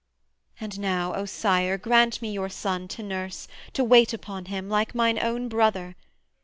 And now, O sire, Grant me your son, to nurse, to wait upon him, Like mine own brother.